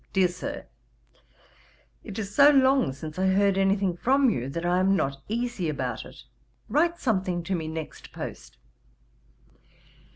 'DEAR SIR, 'It is so long since I heard any thing from you, that I am not easy about it; write something to me next post.